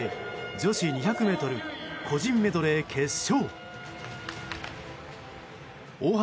女子２００ｍ個人メドレー決勝。